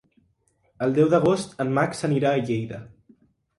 El deu d'agost en Max anirà a Lleida.